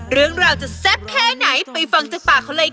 เรื่องราวจะแซ่บแค่ไหนไปฟังจากปากเขาเลยค่ะ